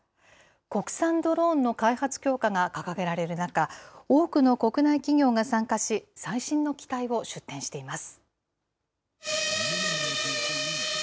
国産ドローンの開発強化が掲げられる中、多くの国内企業が参加し、最新の機体を出展しています。